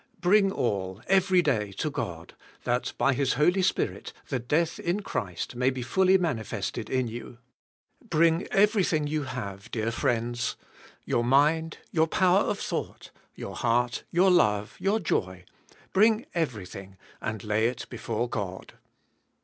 Bring all, every day, to God, that by His Holy Spirit the death in Christ may be fully manifested in you. Bring everything you have, dear friends, your mind, your power of thought, your heart, your love, your joy; bring everything and lay it before God.